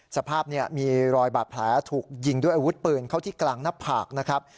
สภาพมีรอยบาดแผลถูกยิงด้วยอาวุธปืนเข้าที่กลางหน้าผากนะครับ